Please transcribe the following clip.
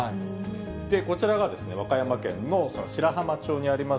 こちらが和歌山県の白浜町にあります